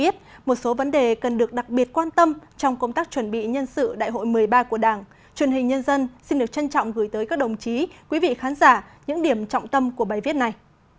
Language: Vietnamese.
truyền hình nhân dân xin được trân trọng gửi tới các đồng chí quý vị khán giả những điểm trọng tâm của bài viết này